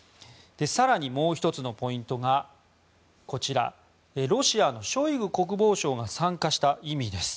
更にもう１つのポイントがロシアのショイグ国防相が参加した意味です。